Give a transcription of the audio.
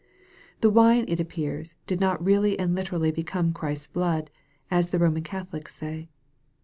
The wine, it appears, did not really and literally become Christ's blood, as the Roman Catholics say.